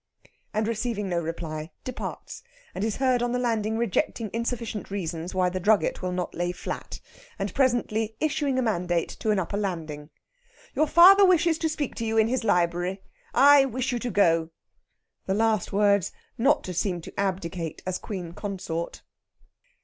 And, receiving no reply, departs, and is heard on the landing rejecting insufficient reasons why the drugget will not lay flat. And presently issuing a mandate to an upper landing: "Your father wishes to speak to you in his library. I wish you to go." The last words not to seem to abdicate as Queen Consort.